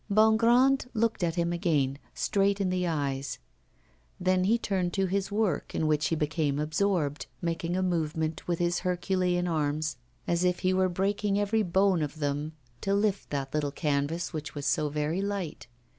Bongrand looked at him again, straight in the eyes. Then he turned to his work, in which he became absorbed, making a movement with his herculean arms, as if he were breaking every bone of them to lift that little canvas which was so very light.